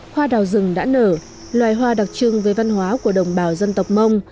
hoa đào rừng đã nở loài hoa đặc trưng về văn hóa của đồng bào dân tộc mông